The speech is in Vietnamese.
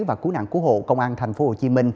và cứu nạn cứu hộ công an tp hcm